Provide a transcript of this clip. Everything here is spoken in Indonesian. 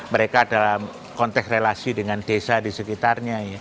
mereka dalam konteks relasi dengan desa di sekitarnya